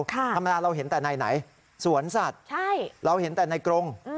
ธรรมดาเราเห็นแต่ไหนสวนสัตว์เราเห็นแต่ในกรง